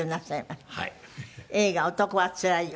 映画『男はつらいよ』